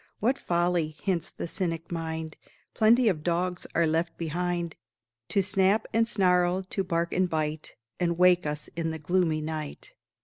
"What folly!" hints the cynic mind, "Plenty of dogs are left behind To snap and snarl, to bark and bite, And wake us in the gloomy night.